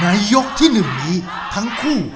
ในยกที่หนึ่งนี้ทั้งคู่